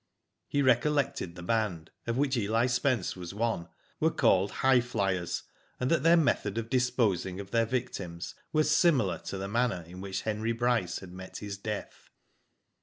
He recollected the band, of which Eli Spence was one, were called " Highflyers," and that their method of disposing of their victims was similar to the manner in which Henry Bryce had met his death.